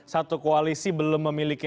satu koalisi belum memiliki